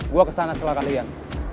gue ke sana setelah kalian